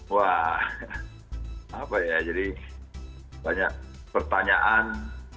wah apa ya jadi banyak pertanyaan